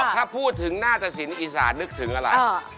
ถ้าพูดถึงหน้าตะสินอีสานนึกถึงอะไร